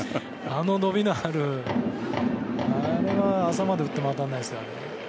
あの伸びのある朝まで打っても当たんないですよね。